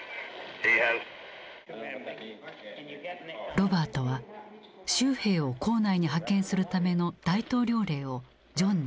ロバートは州兵を校内に派遣するための大統領令をジョンに求めた。